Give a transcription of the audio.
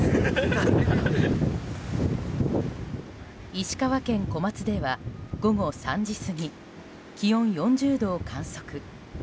石川県小松では午後３時過ぎ気温４０度を観測。